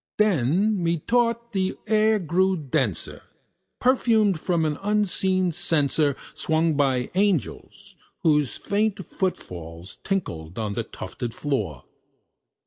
Then, methought, the air grew denser, perfumed from an unseen censer Swung by Seraphim whose foot falls tinkled on the tufted floor.